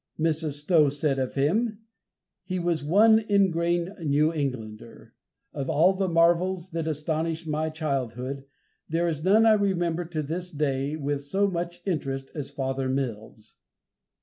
Mrs. Stowe said of him "He was one ingrain New Englander. Of all the marvels that astonished my childhood, there is none I remember to this day with so much interest as Father Mills."